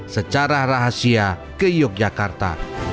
secara rahasia ke yogyakarta